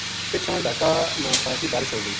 پِچھاں ڈھاکا ما خاصی بارش ہو گئی